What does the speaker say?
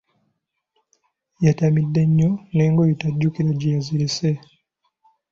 Yatamidde nnyo n’engoye tajjukira gye yazirese.